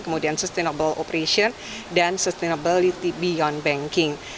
kemudian sustainable operation dan sustainability beyond banking